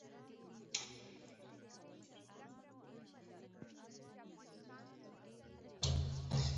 چاري پيل کړي دي.